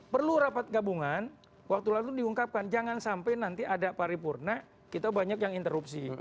perlu rapat gabungan waktu lalu diungkapkan jangan sampai nanti ada paripurna kita banyak yang interupsi